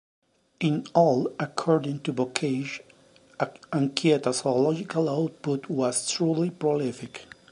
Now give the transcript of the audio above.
In all, according to Bocage, Anchieta's zoological output was truly prolific.